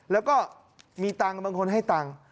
แล้วก็มีตังค์บางคนให้ตังค์